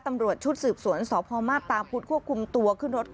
ตำรวจชุดสืบสวนสอบพรมากตามพุทธควบคุมตัว